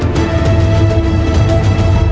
คุณสมัย